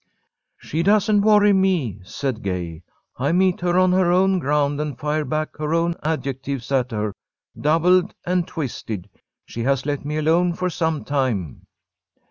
"She doesn't worry me," said Gay. "I meet her on her own ground and fire back her own adjectives at her, doubled and twisted. She has let me alone for some time."